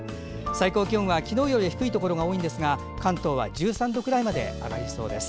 最高気温は昨日より低いところが多いですが関東は１３度くらいまで上がりそうです。